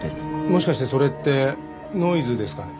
もしかしてそれってノイズですかね？